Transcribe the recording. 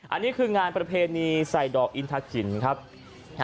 อันนี้คืองานประเพณีใส่ดอกอินทรักจิน